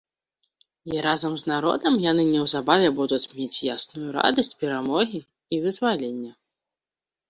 І разам з народам яны неўзабаве будуць мець ясную радасць перамогі і вызвалення.